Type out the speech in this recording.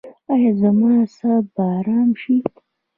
ایا زما اعصاب به ارام شي؟